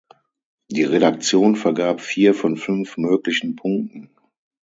Die Redaktion vergab vier von fünf möglichen Punkten.